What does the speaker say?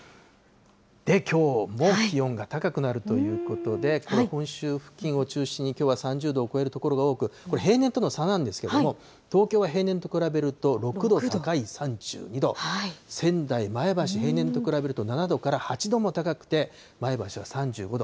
きょうも気温が高くなるということで、本州付近を中心にきょうは３０度を超える所が多く、これ、平年との差なんですけれども、東京は平年と比べると６度高い３２度、仙台、前橋、平年と比べると７度から８度も高くて前橋は３５度。